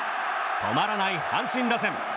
止まらない阪神打線。